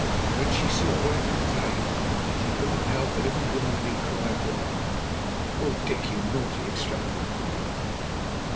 When she saw what it contained she could not help a little womanly cry of delight. "Oh, Dick! you naughty, extravagant boy!"